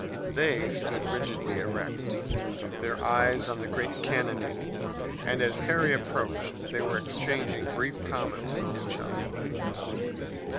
They stood rigidly erect, their eyes on the great cannonade, and as Harry approached they were exchanging brief comments with each other.